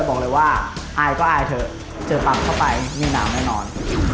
บอกเลยว่าอายก็อายเถอะเจอปั๊บเข้าไปนี่หนาวแน่นอน